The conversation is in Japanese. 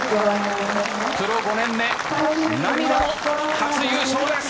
プロ５年目、涙の初優勝です。